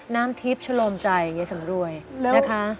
น้ำทิพย์ชะโลมใจยายสำรวยนะคะ